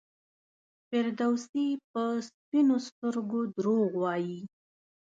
فردوسي په سپینو سترګو دروغ وایي.